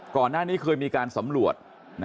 ก่อนหน้านี้เคยมีการสำรวจ